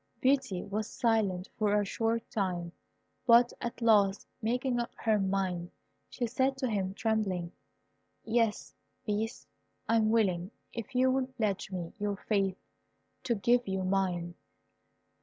Beauty was silent for a short time, but at last making up her mind, she said to him, trembling, "Yes, Beast, I am willing, if you will pledge me your faith, to give you mine."